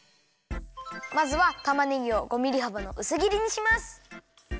まずはたまねぎを５ミリはばのうすぎりにします。